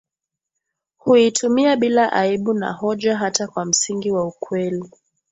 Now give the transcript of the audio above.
huitumia bila aibu na hoja hata kwa msingi wa ukweli